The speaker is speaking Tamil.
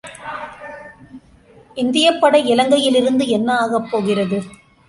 இந்தியப்படை இலங்கையில் இருந்து என்ன ஆகப் போகிறது?